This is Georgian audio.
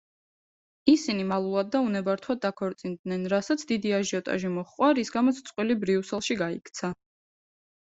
ისინი მალულად და უნებართვოდ დაქორწინდნენ რასაც დიდი აჟიოტაჟი მოჰყვა რის გამოც წყვილი ბრიუსელში გაიქცა.